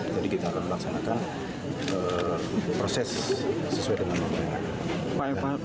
jadi kita akan melaksanakan proses sesuai dengan hukuman yang ada